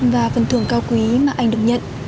và phần thưởng cao quý mà anh được nhận